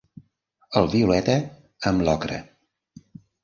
El violeta amb l'ocre.